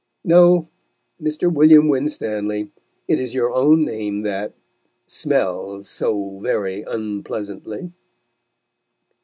No, Mr. William Winstanley, it is your own name that smells so very unpleasantly.